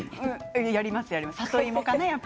里芋かな。